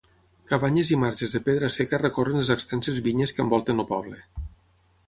Cabanyes i marges de pedra seca recorren les extenses vinyes que envolten el poble.